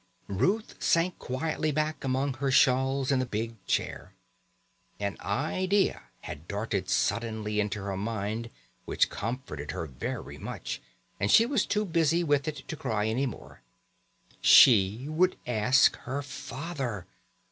Ruth sank quietly back among her shawls in the big chair. An idea had darted suddenly into her mind which comforted her very much, and she was too busy with it to cry any more. She would ask her father!